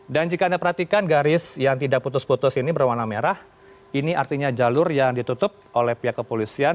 dan jika anda perhatikan garis yang tidak putus putus ini berwarna merah ini artinya jalur yang ditutup oleh pihak kepolisian